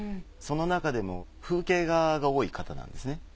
その中でも風景画が多い方なんですね。